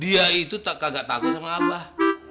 dia itu kagak takut sama abah